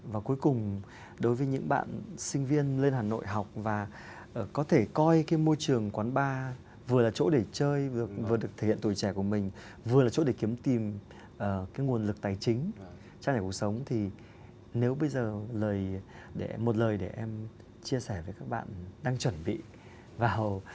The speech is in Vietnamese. và cuối cùng đối với những bạn sinh viên lên hà nội học và có thể coi cái môi trường quán bar vừa là chỗ để chơi vừa được thể hiện tuổi trẻ của mình vừa là chỗ để kiếm tìm cái nguồn lực tài chính trong nhà cuộc sống thì nếu bây giờ một lời để em chia sẻ với các bạn đang chuẩn bị vào